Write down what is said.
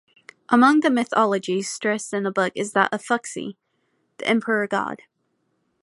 Among the mythologies stressed in the book is that of Fuxi, the emperor-god.